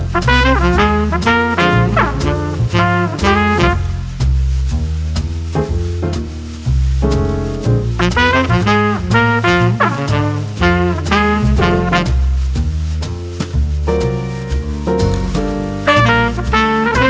โปรดติดตามตอนต่อไป